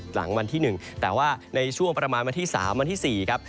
หลังวันที่๑แต่ว่าในช่วงประมาณวันที่๓วันที่๔ครับ